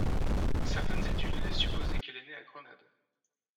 Certaines études laissent supposer qu'elle est née à Grenade.